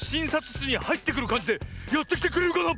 しつにはいってくるかんじでやってきてくれるかな？